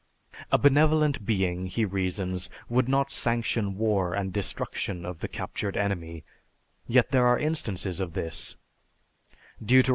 A Benevolent Being, he reasons, would not sanction war and destruction of the captured enemy, yet there are instances of this (Deut.